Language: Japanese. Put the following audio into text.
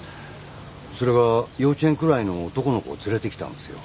それが幼稚園くらいの男の子を連れてきたんですよ。